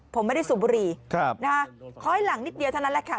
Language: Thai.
ผมไม่ได้สูบบุรีค้อยหลังนิดเดียวเท่านั้นแหละค่ะ